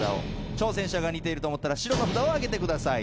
挑戦者が似ていると思ったら白の札を挙げてください。